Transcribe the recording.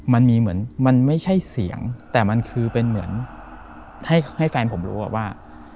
มันมีเหมือนมันไม่ใช่เสียงแต่มันคือเป็นเหมือนให้แฟนผมรู้ว่า